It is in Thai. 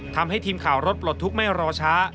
ทำให้ทีมข่าวรถปลดทุกข์ไม่รอช้า